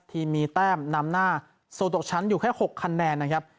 ทีมมีแต้มนำหน้าโซตกชั้นอยู่แค่๖คะแนนนะครับ